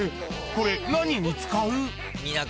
これ何に使う？